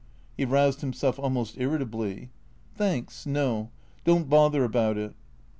He roused himself almost irritably. " Thanks, no. Don't bother about it."